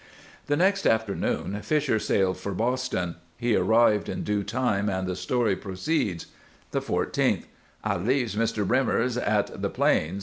The next afternoon Fisher sailed for Boston ; he arrived in due time, and the story proceeds: " The 14th. I Leaves Mr. Brimers at the Planes.